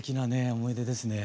思い出ですね。